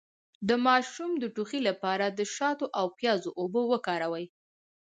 د ماشوم د ټوخي لپاره د شاتو او پیاز اوبه وکاروئ